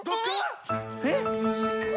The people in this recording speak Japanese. えっ？